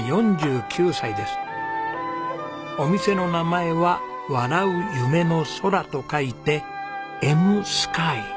お店の名前は「笑う夢の空」と書いて笑夢空。